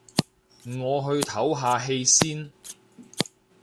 我去唞下氣先